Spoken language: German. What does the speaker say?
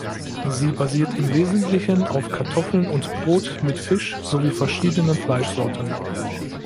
Sie basiert im Wesentlichen auf Kartoffeln und Brot mit Fisch sowie verschiedenen Fleischsorten.